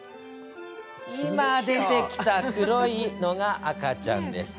今、出てきた黒いのが赤ちゃんです。